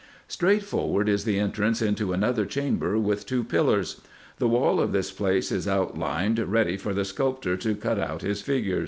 Straight forward is the entrance into another chamber with two pillars. The wall of this place is outlined, ready for the sculptor to cut out his figure.